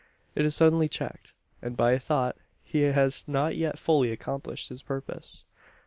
It is suddenly checked, and by a thought. He has not yet fully accomplished his purpose.